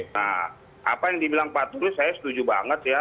nah apa yang dibilang pak tulus saya setuju banget ya